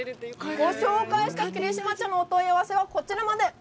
ご紹介した霧島茶のお問い合わせは、こちらまで。